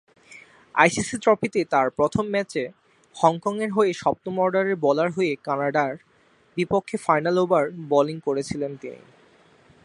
ICC ট্রফিতে তার প্রথম ম্যাচে হংকংয়ের হয়ে সপ্তম অর্ডারের বোলার হয়ে কানাডার বিপক্ষে ফাইনাল ওভার বোলিং করেছিলেন তিনি।